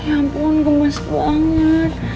ya ampun gemes banget